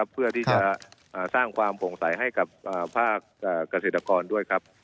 เพื่อที่จะสร้างความโปร่งใสให้กับภาคเกษตรกรด้วยครับ